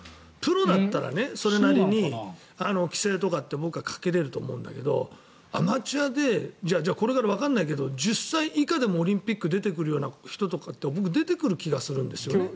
プロだったらそれなりに規制とかって僕はかけれると思うけどアマチュアでこれからわからないけど１０歳以下でもオリンピックに出てくるような人とか僕、出てくる気がするんですね。